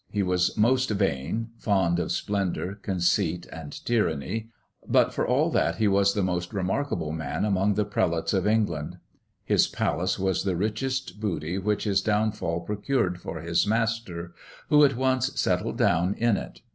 He was most vain, fond of splendour, conceit, and tyranny; but for all that, he was the most remarkable man among the prelates of England. His palace was the richest booty which his downfall procured for his master, who at once settled down in it.